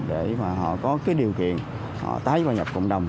để mà họ có cái điều kiện họ tái hòa nhập cộng đồng